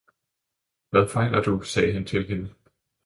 Hvad fejler du? sagde han til hende.